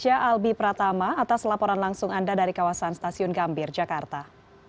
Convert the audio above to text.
albi pratama stasiun gambir jakarta